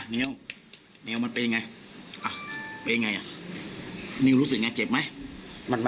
นิวนิวมันเป็นอย่างไรเป็นอย่างไรนิวรู้สึกอย่างไรเจ็บไหม